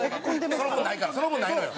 その分ないからその分ないのよ。